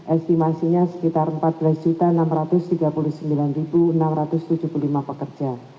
estimasinya sekitar empat belas enam ratus tiga puluh sembilan enam ratus tujuh puluh lima pekerja